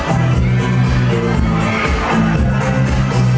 ไม่ต้องถามไม่ต้องถาม